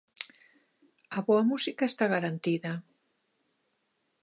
A boa música está garantida.